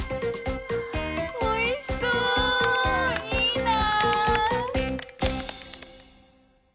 おいしそいいな。